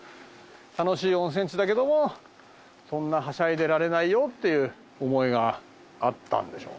楽しい温泉地だけどもそんなはしゃいでいられないよっていう思いがあったんでしょうねきっとね。